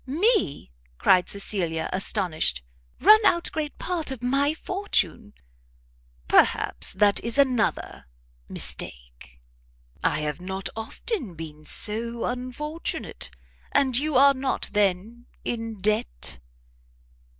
"Me!" cried Cecilia, astonished, "run out great part of my fortune!" "Perhaps that is another mistake! I have not often been so unfortunate; and you are not, then, in debt?"